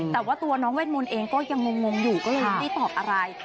แต่ว่าตัวน้องเวทมนต์เองก็ยังงงอยู่ก็เลยไม่ได้ตอบอะไร